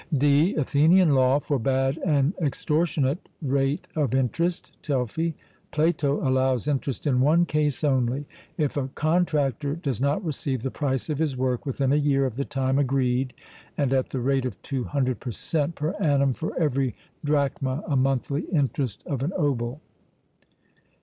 (d) Athenian law forbad an extortionate rate of interest (Telfy); Plato allows interest in one case only if a contractor does not receive the price of his work within a year of the time agreed and at the rate of 200 per cent. per annum for every drachma a monthly interest of an obol.